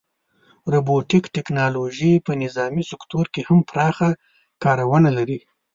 روبوټیک ټیکنالوژي په نظامي سکتور کې هم پراخه کارونه لري.